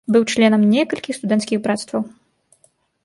Быў членам некалькіх студэнцкіх брацтваў.